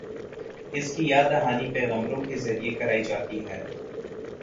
اس کی یاد دہانی پیغمبروں کے ذریعے کرائی جاتی ہے۔